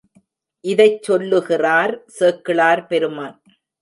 இதைச் சொல்லுகிறார் சேக்கிழார் பெருமான்.